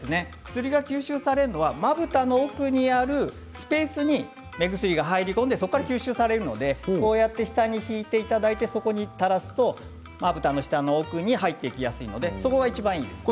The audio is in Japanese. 薬が吸収されるのはまぶたの奥にあるスペースに目薬が入り込んでそこで吸収されるので下に引いていただいてそこに垂らすとまぶたの下の奥に入っていきやすいのでそこが、いちばんいいんです。